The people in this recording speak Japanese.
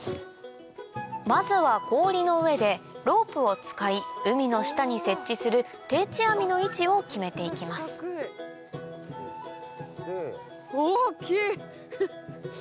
まずは氷の上でロープを使い海の下に設置する定置網の位置を決めていきます大きい！